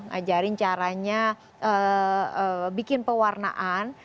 ngajarin caranya bikin pewarnaan